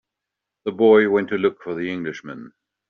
The boy went to look for the Englishman.